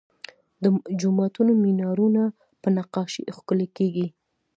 د جوماتونو مینارونه په نقاشۍ ښکلي کیږي.